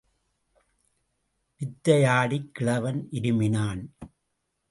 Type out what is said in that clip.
வித்தையாடிக் கிழவன் இருமினான்.